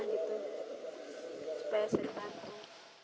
pasangan lili dan wasmini ini sehari hari bekerja sebagai petani dan buruh bangunan